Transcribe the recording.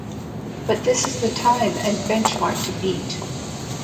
But this is the time and the bench mark to beat.